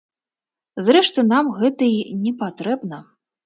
Зрэшты нам гэта й не патрэбна.